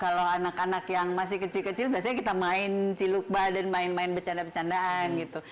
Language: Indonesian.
kalau anak anak yang masih kecil kecil biasanya kita main ciluk badan main main bercanda bercandaan gitu